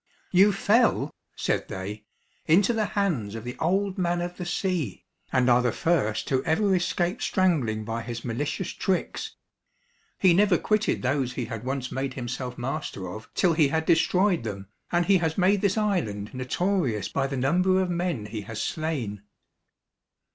"You fell," said they, "into the hands of the old man of the sea, and are the first who ever escaped strangling by his malicious tricks. He never quitted those he had once made himself master of till he had destroyed them, and he has made this island notorious by the number of men he has slain."